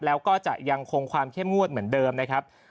แล้วก็จะยังคงความเข้มงวดเหมือนเดิมนะครับ